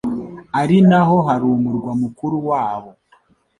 ari naho hari umurwa mukuru wabo.